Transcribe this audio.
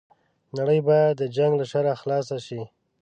نړۍ بايد د جنګ له شره خلاصه شي